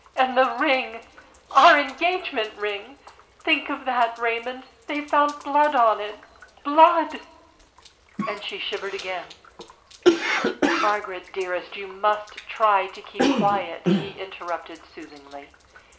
And the ring our engagement ring think of that, Raymond! They found blood on it, blood!" And she shivered again. "Margaret, dearest, you must try to keep quiet," he interrupted soothingly.